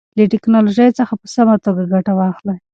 له ټیکنالوژۍ څخه په سمه توګه ګټه واخلئ.